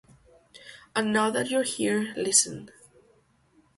And now that you are here, listen.